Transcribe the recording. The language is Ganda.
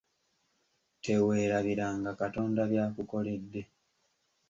Teweerabiranga Katonda by’akukoledde.